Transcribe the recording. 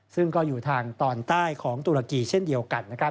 ซึ่งก็อยู่ทางตอนใต้ของตุรกีเช่นเดียวกันนะครับ